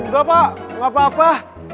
enggak pak gak apa apa